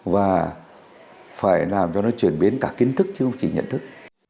và phải làm cho nó chuyển biến cả kiến thức chứ không chỉ nhận thức